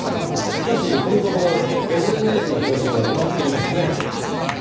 しかしこのところＳＮＳの更新は止まっていますね。